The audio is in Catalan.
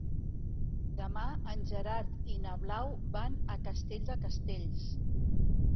Demà en Gerard i na Blau van a Castell de Castells.